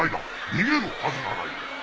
逃げるはずがない！